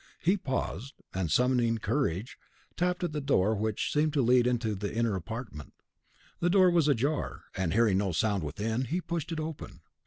He paused, and, summoning courage, tapped at the door which seemed to lead into the inner apartment. The door was ajar; and, hearing no sound within, he pushed it open.